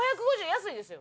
安いですよ。